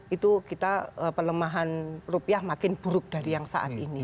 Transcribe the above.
itu kita pelemahan rupiah makin buruk dari yang saat ini